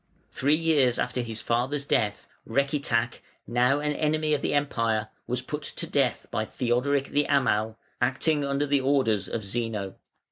] Three years after his father's death (484), Recitach, now an enemy of the Empire, was put to death by Theodoric the Amal, acting under the orders of Zeno.